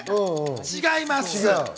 違います。